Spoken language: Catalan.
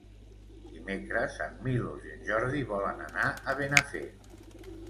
Dimecres en Milos i en Jordi volen anar a Benafer.